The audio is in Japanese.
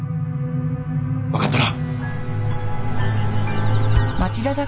分かったな。